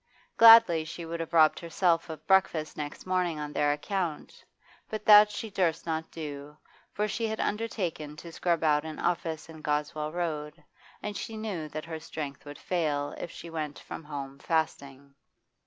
Gladly she would have robbed herself of breakfast next morning on their account, but that she durst not do, for she had undertaken to scrub out an office in Goswell Road, and she knew that her strength would fail if she went from home fasting.